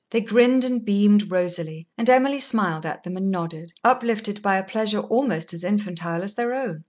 They grinned and beamed rosily, and Emily smiled at them and nodded, uplifted by a pleasure almost as infantile as their own.